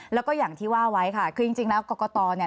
แล้วก็อย่างที่ว่าไว้ค่ะคือจริงแล้วกรกตเนี่ย